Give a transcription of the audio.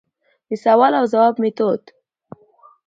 دسوال او ځواب ميتود: